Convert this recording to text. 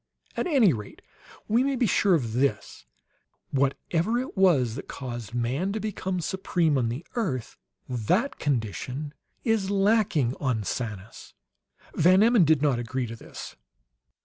"At any rate, we may be sure of this: whatever it was that caused man to become supreme on the earth, that condition is lacking on Sanus!" Van Emmon did not agree to this.